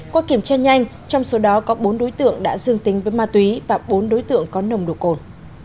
qua kiểm tra nhanh trong số đó có bốn đối tượng đã dương tính với ma túy và bốn đối tượng có nồng độ cồn